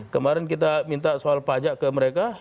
kemarin kita minta soal pajak ke mereka